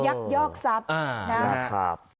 ยักยอกซับนะครับ